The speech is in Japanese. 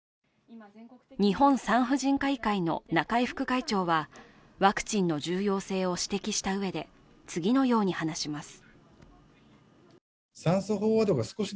日本産婦人科医会の中井副会長は、ワクチンの重要性を指摘したうえで、次のように話します。